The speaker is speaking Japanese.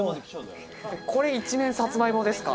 これ一面さつまいもですか？